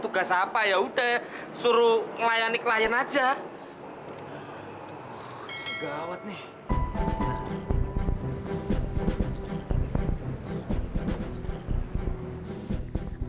tugas apa ya udah suruh ngelayani klien aja segawat nih